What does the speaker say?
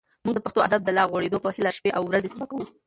موږ د پښتو ادب د لا غوړېدو په هیله شپې او ورځې سبا کوو.